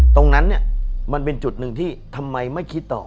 ตรงนั้นเนี่ยมันเป็นจุดหนึ่งที่ทำไมไม่คิดต่อ